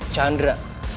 chandra dan chandra